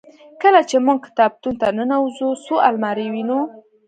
کله چې موږ کتابتون ته ننوزو څو المارۍ وینو.